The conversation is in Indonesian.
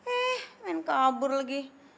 eh main kabur lagi